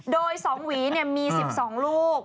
โดย๒หวีมี๑๒ลูก